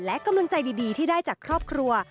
และกำลังใจดีที่ได้จากครอบครัว